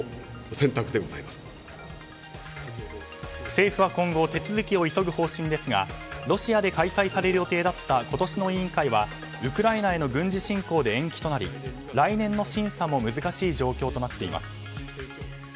政府は、今後手続きを急ぐ方針ですがロシアで開催される予定だった今年の委員会はウクライナへの軍事侵攻で延期となり来年の審査も難しい状況となっています。